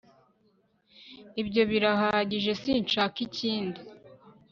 Ibyo birahagije Sinshaka ikindi